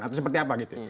atau seperti apa gitu